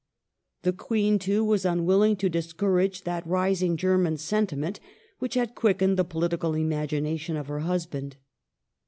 The Queen, too, was unwilling to dis courage that rising German sentiment which had quickened the political imagination of her husband.